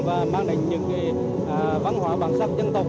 và mang đến những văn bản bản sắc dân tộc